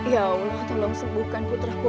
ya allah tolong sembuhkan putraku